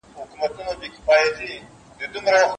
لوی مُلا یې وو حضور ته ور بللی